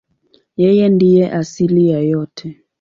Yeye ndiye asili ya yote.